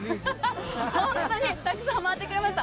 本当にたくさん回ってくれました。